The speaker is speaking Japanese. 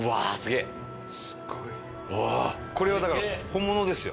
これはだから本物ですよ